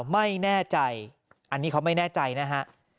ไม่แน่ใจอันนี้เขาไม่แน่ใจนะฮะ